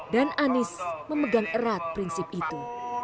dan anis memegang erat prinsip itu